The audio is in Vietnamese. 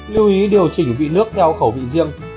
lưu ý điều chỉnh vị nước theo khẩu vị riêng